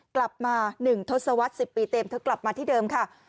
กลับมา๑ทศวรรษ๑๐ปีเต็มเธอกลับมาที่เดิมค่ะ